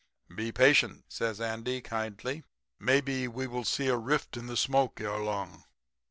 "'Be patient,' says Andy, kindly. 'Maybe we will see a rift in the smoke ere long.'